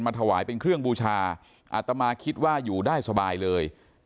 ถวายเป็นเครื่องบูชาอาตมาคิดว่าอยู่ได้สบายเลย